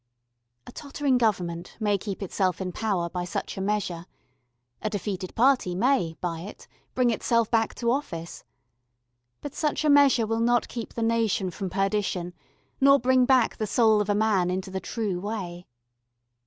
A tottering Government may keep itself in power by such a measure, a defeated party may, by it, bring itself back to office, but such a measure will not keep the nation from perdition, nor bring back the soul of a man into the true way.